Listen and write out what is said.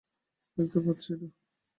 দেখতে পাচ্ছি না।